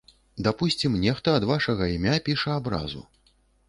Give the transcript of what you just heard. Дапусцім, нехта ад вашага імя піша абразу.